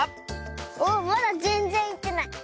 おっまだぜんぜんいってない。